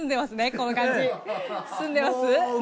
この感じ住んでます？